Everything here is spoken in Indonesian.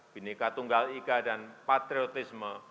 binika tunggal ika dan patriotisme